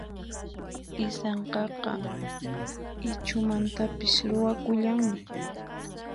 Isankaqa Ichhumantapis ruwakullanmi.